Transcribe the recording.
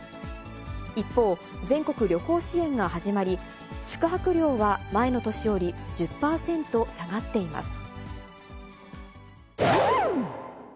一方、全国旅行支援が始まり、宿泊料は前の年より１０％下がっています。